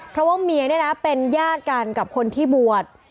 เพราะว่าเมียเนี่ยนะเป็นญาติกันกับคนที่บวช